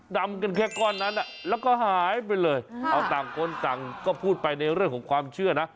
ดำกันแค่ก้อนนั้นแล้วก็หายไปเลยเอาต่างคนต่างก็พูดไปในเรื่องของความเชื่อนะ